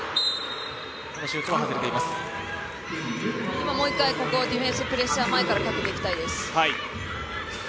今もう一回ここプレッシャーを前からかけていきたいです。